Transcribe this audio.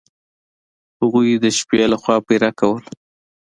هغوی د شپې له خوا پیره کوله.